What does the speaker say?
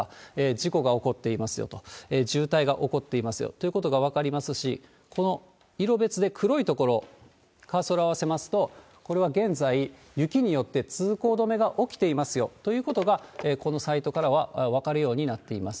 事故が起こっていますよと、渋滞が起こっていますよということが分かりますし、この色別で黒い所、カーソル合わせますと、これは現在、雪によって通行止めが起きていますよということが、このサイトからは分かるようになっています。